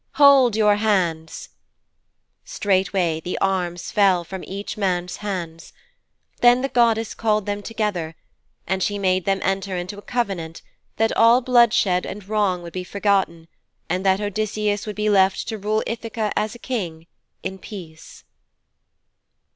'Hold your hands,' Straightway the arms fell from each man's hands. Then the goddess called them together, and she made them enter into a covenant that all bloodshed and wrong would be forgotten, and that Odysseus would be left to rule Ithaka as a King, in peace.